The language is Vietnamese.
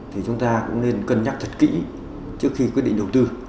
thì chúng ta cũng nên cân nhắc thật kỹ trước khi quyết định đầu tư